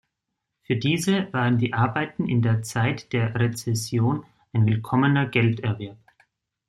Für diese waren die Arbeiten in der Zeit der Rezession ein willkommener Gelderwerb.